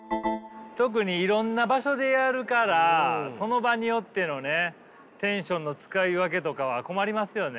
特にいろんな場所でやるからその場によってのねテンションの使い分けとかは困りますよね。